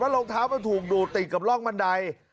รองเท้ามันถูกดูดติดกับร่องบันได